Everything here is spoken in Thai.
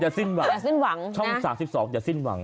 อย่าสิ้นหวังช่อง๓๒อย่าสิ้นหวัง